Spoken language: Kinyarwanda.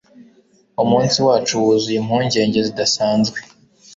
Umunsi wacu wuzuye impungenge zidasanzwe